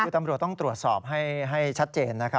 คือตำรวจต้องตรวจสอบให้ชัดเจนนะครับ